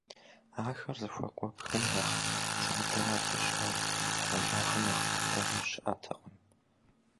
Ахэр зыхуэкӀуэ бгым нэхъ задэрэ абы щыӀэ бгъуэнщӀагъым нэхъ быдэрэ щыӀэтэкъым.